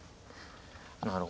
なるほど。